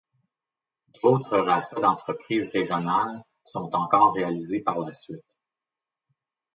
D'autres rachats d'entreprises régionales sont encore réalisés par la suite.